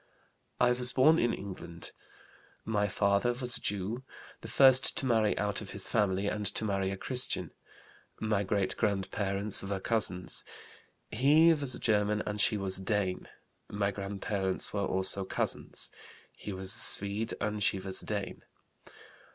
"I was born in England. My father was a Jew, the first to marry out of his family and to marry a Christian. My great grandparents were cousins; he was a German and she was a Dane. My grandparents were also cousins; he was a Swede and she was a Dane.